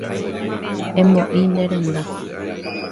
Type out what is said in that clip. Emboí ne renda.